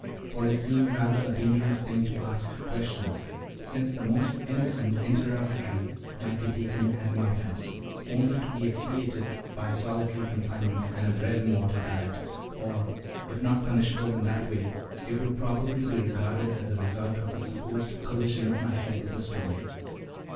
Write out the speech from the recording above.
For it seemed rather a dangerous thing to ask questions, since the most innocent interrogatory might be taken as an offense, only to be expiated by solitary confinement and a bread and water diet; or, if not punishable in that way, it would probably be regarded as a result of the supposed collision of my head with a stone.